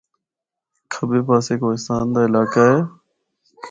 کَھبے پاسے کوہستان دا علاقہ اے۔